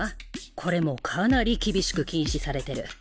これもかなり厳しく禁止されてる。